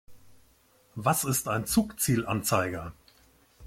Was ist ein Zugzielanzeiger?